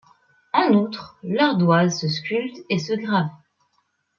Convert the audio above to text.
En outre, l'ardoise se sculpte et se grave.